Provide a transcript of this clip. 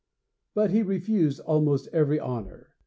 But he refused almost every honor.